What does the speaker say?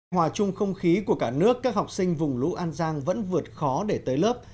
hòa chung không khí của cả nước các học sinh vùng lũ an giang vẫn vượt khó để tới lớp